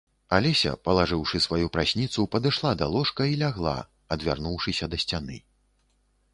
Алеся, палажыўшы сваю прасніцу, падышла да ложка і лягла, адвярнуўшыся да сцяны.